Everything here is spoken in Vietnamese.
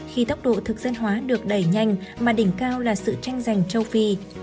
khi tốc độ thực dân hóa được đẩy nhanh mà đỉnh cao là sự tranh giành châu phi